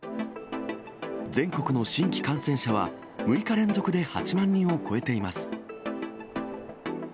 全国の新規感染者は、６日連続で８万人を超えています。